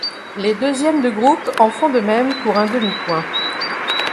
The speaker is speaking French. Les deuxièmes de groupe en font de même pour un demi-point.